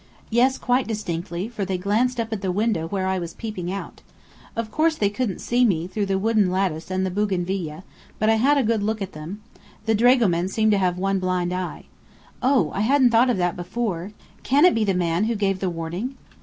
"Yes, quite distinctly, for they glanced up at the window where I was peeping out. Of course they couldn't see me, through the wooden lattice and the bougainvillia, but I had a good look at them. The dragoman seemed to have one blind eye. Oh! I hadn't thought of that before! Can it be the man who gave the warning?"